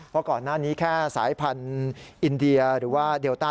เพราะก่อนหน้านี้แค่สายพันธุ์อินเดียหรือว่าเดลต้า